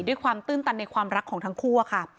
ด้วยความตื้นตันในความรักของทั้งคู่อะค่ะ